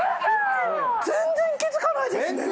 全然気付かないですね。